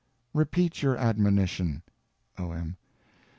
Repeat your Admonition. O.M.